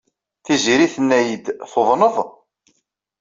Tiziri tenna-iyi-d, tuḍneḍ?